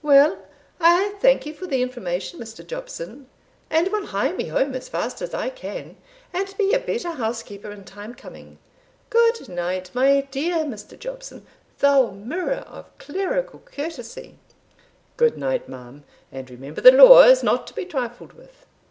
"Well, I thank you for the information, Mr. Jobson, and will hie me home as fast as I can, and be a better housekeeper in time coming. Good night, my dear Mr. Jobson, thou mirror of clerical courtesy." "Good night, ma'am, and remember the law is not to be trifled with."